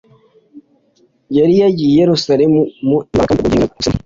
yari yagiye i Yerusalemu mu ibanga kandi urwo rugendo yarwihusemo.